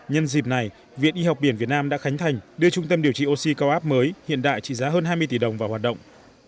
nhân dịp này viện y học biển việt nam đã khánh thành đưa trung tâm điều trị oxy cao áp mới hiện đại trị giá hơn hai mươi tỷ đồng vào hoạt động